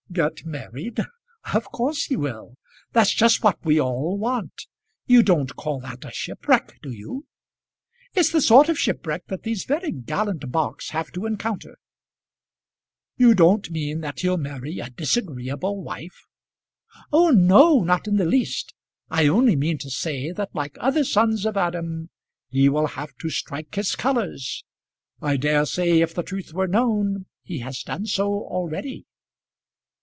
"Get married! of course he will. That's just what we all want. You don't call that a shipwreck; do you?" "It's the sort of shipwreck that these very gallant barks have to encounter." "You don't mean that he'll marry a disagreeable wife!" "Oh, no; not in the least. I only mean to say that like other sons of Adam, he will have to strike his colours. I dare say, if the truth were known, he has done so already."